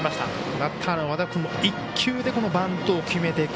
バッターの和田君も１球でこのバントを決めていく。